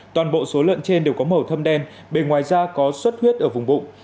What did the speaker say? toàn bộ số lợn trên đều có màu thâm đen bên ngoài da có suất huyết ở vùng bụng